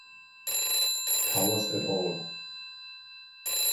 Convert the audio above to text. Towers, et al.